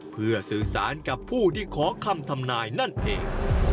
เพื่อสื่อสารกับผู้ที่ขอคำทำนายนั่นเอง